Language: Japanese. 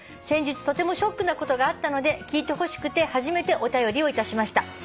「先日とてもショックなことがあったので聞いてほしくて初めてお便りをいたしました」